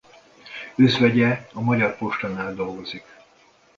Özvegye a Magyar Postánál dolgozik.